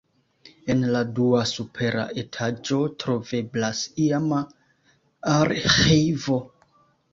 En la dua supera etaĝo troveblas iama arĥivo.